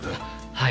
はい。